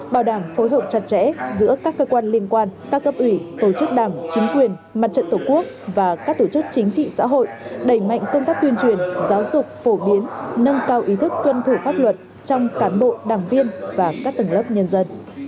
bảo đảm phối hợp chặt chẽ giữa các cơ quan liên quan các cấp ủy tổ chức đảng chính quyền mặt trận tổ quốc và các tổ chức chính trị xã hội đẩy mạnh công tác tuyên truyền giáo dục phổ biến nâng cao ý thức tuân thủ pháp luật trong cán bộ đảng viên và các tầng lớp nhân dân